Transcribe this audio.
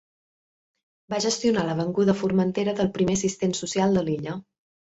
Va gestionar la venguda a Formentera del primer assistent social de l'illa.